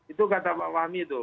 itu kata pak fahmi itu